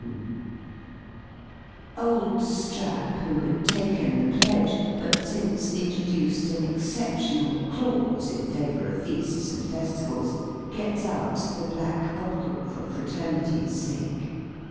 Old Strap, who had taken "the pledge," but since introduced an exceptional clause in favour of feasts and festivals, gets out the black bottle for fraternity's sake.